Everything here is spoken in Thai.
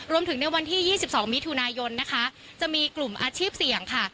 รวมถึงในวันที่๒๒มิถุนายนนะคะจะมีกลุ่มอาชีพเสี่ยงค่ะ